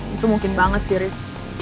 itu mungkin banget sih ris